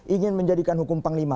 ingin menjadikan hukum panglima